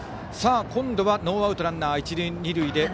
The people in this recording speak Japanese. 今度は、ノーアウトランナー、一塁二塁。